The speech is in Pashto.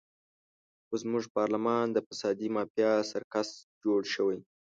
خو زموږ پارلمان د فسادي مافیا سرکس جوړ شوی.